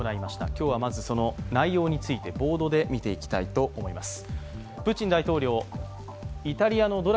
今日はまずその内容についてボードで見ていきたいと思います。